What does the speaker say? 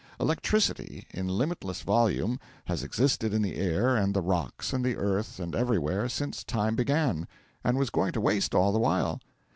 Electricity, in limitless volume, has existed in the air and the rocks and the earth and everywhere since time began and was going to waste all the while.